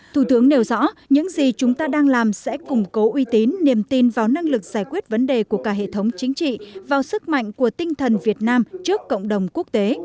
thủ tướng nêu rõ những gì chúng ta đang làm sẽ củng cố uy tín niềm tin vào năng lực giải quyết vấn đề của cả hệ thống chính trị vào sức mạnh của tinh thần việt nam trước cộng đồng quốc tế